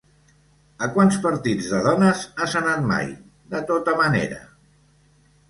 A quants partits de dones has anat mai, de tota manera?